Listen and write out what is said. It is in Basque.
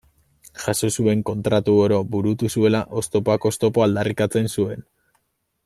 Jaso zuen kontratu oro burutu zuela, oztopoak oztopo, aldarrikatzen zuen.